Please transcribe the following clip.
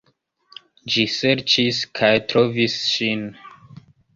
Ĝi serĉis kaj trovis ŝin.